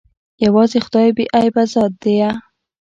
يوازې خداى بې عيبه ذات ديه.